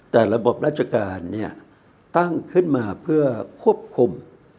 แต่ระบบราชการเนี่ยตั้งขึ้นมาเพื่อควบคุม